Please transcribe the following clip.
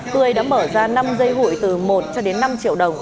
tươi đã mở ra năm dây hụi từ một cho đến năm triệu đồng